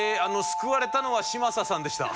救われたのは嶋佐さんでした。